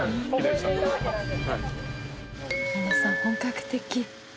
皆さん本格的。